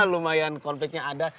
lumayan konfliknya ada